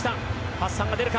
ハッサンが出るか。